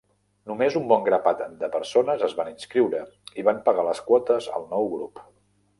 Només un bon grapat de persones es van inscriure i van pagar les quotes al nou grup.